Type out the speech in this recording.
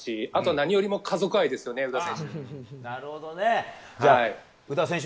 何よりも家族愛ですよね、宇田選手。